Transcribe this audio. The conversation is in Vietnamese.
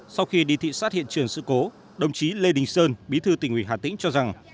sau khi đi thị xát hiện trường sự cố đồng chí lê đình sơn bí thư tỉnh ủy hà tĩnh cho rằng